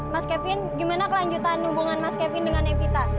mas kevin gimana kelanjutan hubungan mas kevin dengan nevita